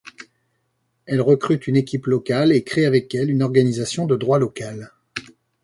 Elle recrute une équipe locale et crée avec elle une organisation de droit local.